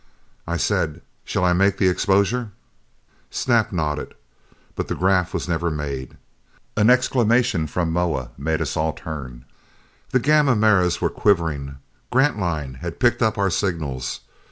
I said, "Shall I make the exposure?" Snap nodded. But that 'graph was never made. An exclamation from Moa made us all turn. The gamma mirrors were quivering! Grantline had picked our signals!